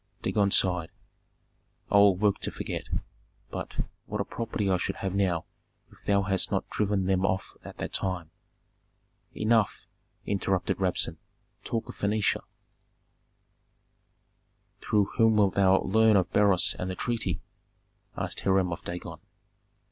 Dagon sighed. "I will work to forget. But what a property I should have now if thou hadst not driven them off at that time!" "Enough!" interrupted Rabsun; "talk of Phœnicia." "Through whom wilt thou learn of Beroes and the treaty?" asked Hiram of Dagon.